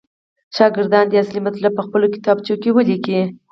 شاګردان دې اصلي مطلب پخپلو کتابچو کې ولیکي.